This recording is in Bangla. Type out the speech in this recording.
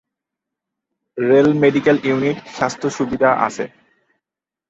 রেল মেডিকেল ইউনিট স্বাস্থ্য সুবিধা আছে।